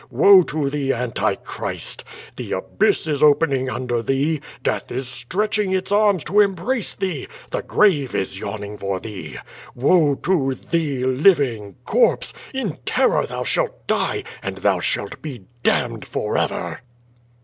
Woe to thee. Antichrist! The abyss is opening under thee, death is stretching its arms to embrace thee, the grave is yawning for thee! Woe to thee, living corpse, in terror thou shalt die, and thou shalt be damned forever!"